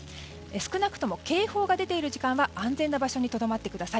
少なくとも警報が出ている時間は安全な場所にとどまってください。